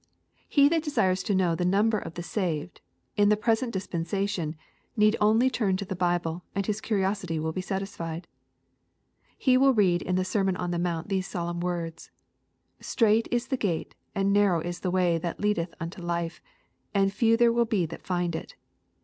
He that desires to know the number of the saved, in the present dispensation, need only turn to the Bible, and his curiosity will be satined. He will read in the sermon on the mount these Solemn words, " Strait is the gate and narrow is the Way that leadeth unto life, and few there be that find it."